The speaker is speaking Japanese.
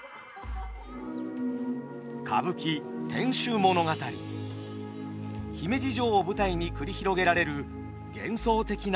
歌舞伎姫路城を舞台に繰り広げられる幻想的な美の世界。